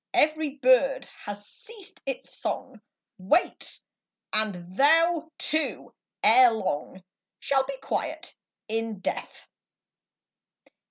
Every bird has ceased its song, Wait ; and thou too, ere long, Shall be quiet in death.